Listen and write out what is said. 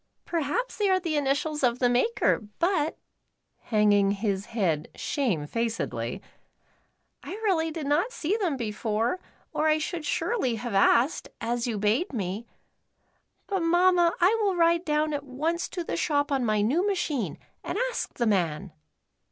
Per haps they are the initials of the maker, but (hanging his head shamefacedly) I really did not see them before, or I should surely have asked, as you bade me. But, Mamma, I will ride down at once to the shop on my new machine and ask the man."